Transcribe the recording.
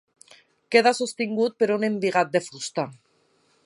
Queda sostingut per un embigat de fusta.